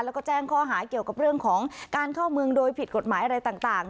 แล้วก็แจ้งข้อหาเกี่ยวกับเรื่องของการเข้าเมืองโดยผิดกฎหมายอะไรต่าง